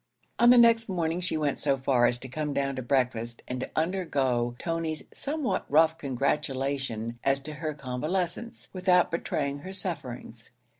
On the next morning she went so far as to come down to breakfast, and to undergo Tony's somewhat rough congratulation as to her convalescence, without betraying her sufferings.